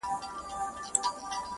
خو باور ستا په ورورۍ به څنگه وکړم-